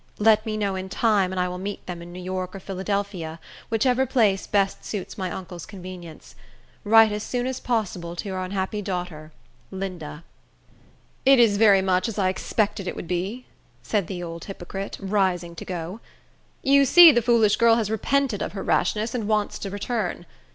Let me know in time, and I will meet them in New York or Philadelphia, whichever place best suits my uncle's convenience. Write as soon as possible to your unhappy daughter, Linda. "It is very much as I expected it would be," said the old hypocrite, rising to go. "You see the foolish girl has repented of her rashness, and wants to return.